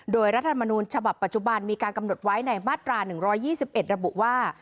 โดยรัฐธรรมนูญฉบับปัจจุบันมีการกำหนดไว้ในมาตราหนึ่งร้อยยี่สิบเอ็ดระบุว่า